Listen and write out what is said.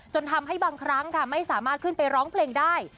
ทำให้บางครั้งค่ะไม่สามารถขึ้นไปร้องเพลงได้